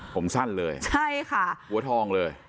ผมสั้นเลยใช่ค่ะหัวทองเลย